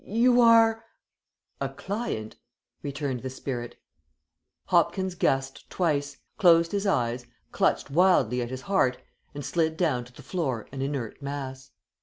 "You are " "A client," returned the spirit. Hopkins gasped twice, closed his eyes, clutched wildly at his heart, and slid down to the floor an inert mass.